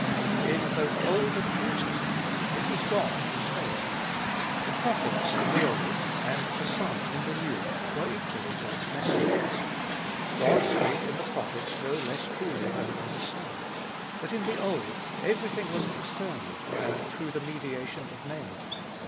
In both Old and New Testament it was God who spake. The prophets in the Old, and the Son in the New, were equally God's messengers. God spake in the prophets no less truly than in the Son. But in the Old everything was external and through the mediation of men.